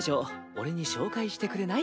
俺に紹介してくれない？